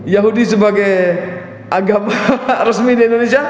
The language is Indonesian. yahudi sebagai agama resmi di indonesia